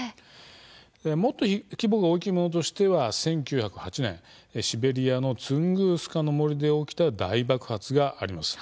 もっと規模が大きいものとしては１９０８年シベリアのツングースカの森で起きた大爆発があります。